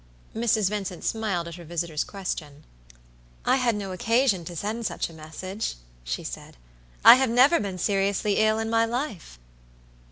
Mrs. Vincent smiled at her visitor's question. "I had no occasion to send such a message," she said; "I have never been seriously ill in my life."